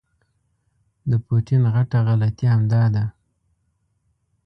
د پوټین غټه غلطي همدا ده.